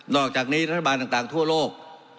อกจากนี้รัฐบาลต่างทั่วโลก